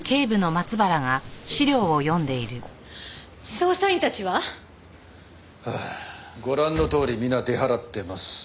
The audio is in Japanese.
捜査員たちは？はあご覧のとおり皆出払ってます。